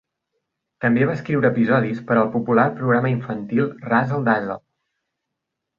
També va escriure episodis per al popular programa infantil "Razzle Dazzle".